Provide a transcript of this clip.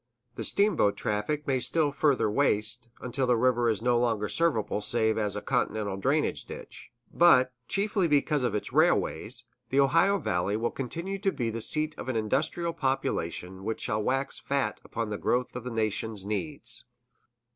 The steamboat traffic may still further waste, until the river is no longer serviceable save as a continental drainage ditch; but, chiefly because of its railways, the Ohio Valley will continue to be the seat of an industrial population which shall wax fat upon the growth of the nation's needs.